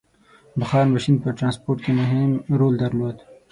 • بخار ماشین په ټرانسپورټ کې مهم رول درلود.